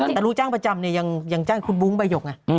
แต่ลูกจ้างประจำเนี่ยยังจ้างคุณบุ้งใบหกไง